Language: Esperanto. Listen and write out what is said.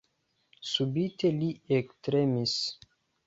Subite li ektremis.